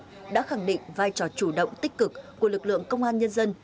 hội thảo hợp tác quốc tế khẳng định vai trò chủ động tích cực của lực lượng công an nhân dân